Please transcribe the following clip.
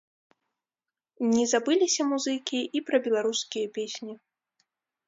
Не забыліся музыкі і пра беларускія песні.